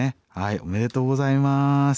おめでとうございます。